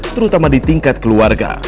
terutama di tingkat keluarga